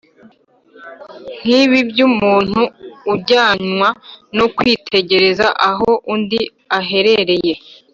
nk’ibi by’umuntu ujyanwa no kwitegereza aho undi aherereye